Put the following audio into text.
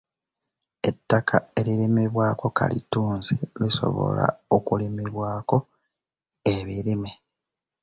Ettaka eririmibwako kalittunsi lisobola okurimibwako ebirime.